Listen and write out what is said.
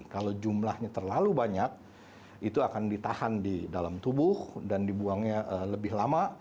kalau jumlahnya terlalu banyak itu akan ditahan di dalam tubuh dan dibuangnya lebih lama